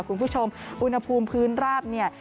คุณผู้ชมอุณหภูมิพื้นราบเนี่ย